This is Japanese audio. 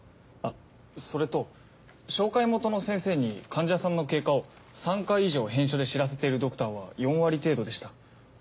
あっそれと紹介元の先生に患者さんの経過を３回以上返書で知らせているドクターは４割程度でした。